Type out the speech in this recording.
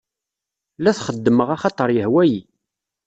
La t-xeddmeɣ axaṭeṛ yehwa-yi.